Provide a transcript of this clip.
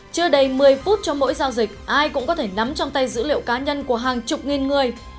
chưa đầy một mươi phút cho mỗi giao dịch ai cũng có thể nắm trong tay dữ liệu cá nhân của hàng chục nghìn người